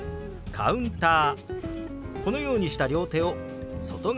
「カウンター」。